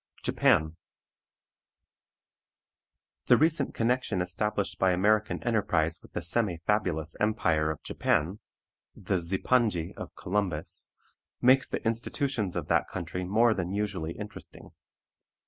JAPAN. The recent connection established by American enterprise with the semi fabulous empire of Japan (the Zipangi of Columbus) makes the institutions of that country more than usually interesting.